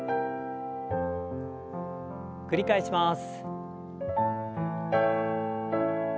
繰り返します。